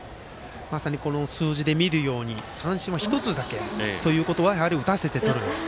まさに数字で見るように三振は１つだけということはやはり打たせてとると。